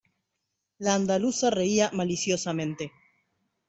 la andaluza reía maliciosamente: